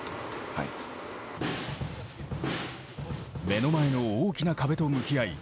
目の前の大きな壁と向き合い